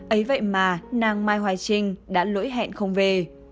ấy vậy mà nang mai hoài trinh đã lỗi hẹn không về